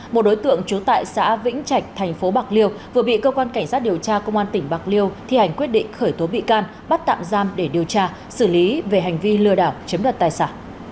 một đối tượng trú tại xã vĩnh trạch thành phố bạc liêu vừa bị cơ quan cảnh sát điều tra công an tỉnh bạc liêu thi hành quyết định khởi tố bị can bắt tạm giam để điều tra xử lý về hành vi lừa đảo chiếm đoạt tài sản